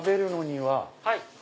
はい。